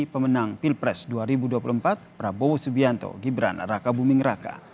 pemenang pilpres dua ribu dua puluh empat prabowo subianto gibran raka buming raka